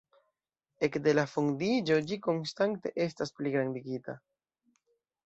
Ekde la fondiĝo ĝi konstante estas pligrandigita.